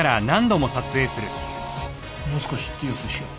もう少し強くしよう。